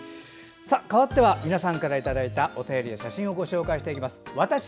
かわっては皆さんからいただいたお便りや写真をご紹介します。